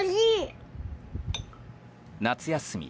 夏休み。